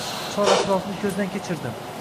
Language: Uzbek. Chor-atrofni ko‘zdan kechirdim.